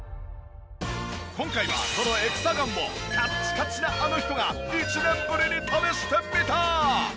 今回はこのエクサガンをカッチカチなあの人が１年ぶりに試してみた！